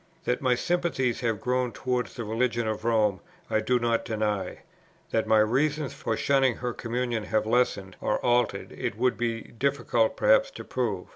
That my sympathies have grown towards the religion of Rome I do not deny; that my reasons for shunning her communion have lessened or altered it would be difficult perhaps to prove.